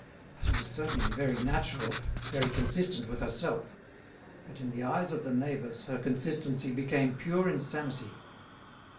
She was certainly very natural, very consistent with herself; but in the eyes of the neighbours her consistency became pure insanity.